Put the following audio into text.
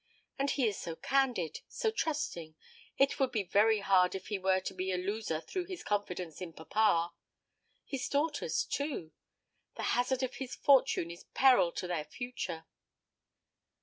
And he is so candid, so trusting, it would be very hard if he were to be a loser through his confidence in papa. His daughters, too; the hazard of his fortune is peril to their future."